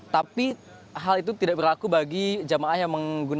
tapi hal itu tidak berlaku bagi jemaah yang mengadakan sholat jumat